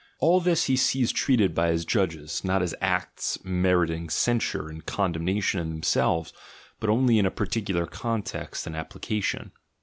— All this he sees treated by his judges, not as acts meriting censure and condemnation in themselves, but only in a particular context and appli cation.